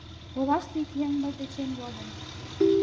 Олаште ик еҥ мый дечем йодын...